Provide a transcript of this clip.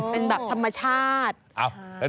เป็นแบบธรรมชาติ